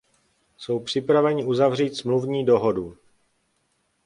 Jsou připraveni uzavřít smluvní dohodu.